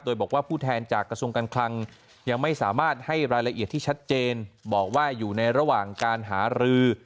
โดยบอกว่าผู้แทนจากกระทรวงการคลังยังไม่สามารถให้รายละเอียดที่ชัดเจนบอกว่าอยู่ในระหว่างการหารือ